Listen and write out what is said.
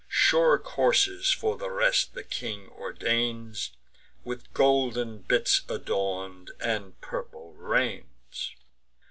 Sure coursers for the rest the king ordains, With golden bits adorn'd, and purple reins.